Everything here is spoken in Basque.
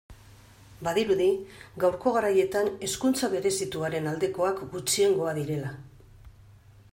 Badirudi gaurko garaietan hezkuntza berezituaren aldekoak gutxiengoa direla.